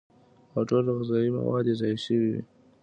او ټول غذائي مواد ئې ضايع شوي وي